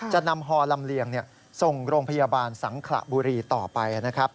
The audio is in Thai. จะนำฮอลำเลียงส่งโรงพยาบาลสังขระบุรีต่อไปนะครับ